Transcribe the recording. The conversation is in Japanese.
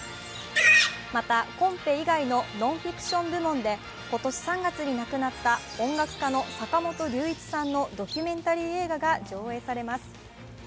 また、コンペ以外のノンフィクション部門で今年３月に亡くなった坂本龍一さんのドキュメンタリー映画が上映されます。